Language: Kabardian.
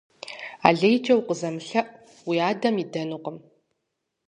Алейкӏэ укъызэмылъэӏу, уи адэм идэнукъым.